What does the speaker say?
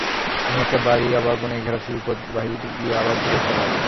এই একটা বাড়ি, আবার বনে-ঘেরা সুড়িপথ বাহিয়া গিয়া আবার দূরে একটা বাড়ি।